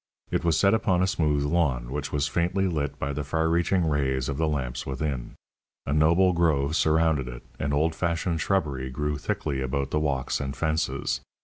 It was set upon a smooth lawn, which was faintly lit by the far reaching rays of the lamps within. A noble grove surrounded it, and old fashioned shrubbery grew thickly about the walks and fences.